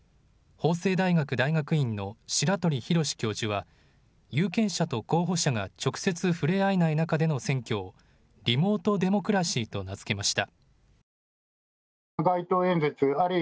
法政大学大学院の白鳥浩教授は有権者と候補者が直接、触れ合えない中での選挙をリモートデモクラシーと名付けました。